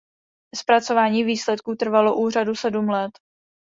Zpracování výsledků trvalo úřadu sedm let.